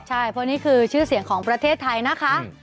ใช่เพราะนี่คือชื่อเสียงของประเทศไทยนะคะ